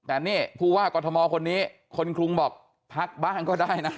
แต่นี่ผู้ว่ากรทมคนนี้คนกรุงบอกพักบ้างก็ได้นะ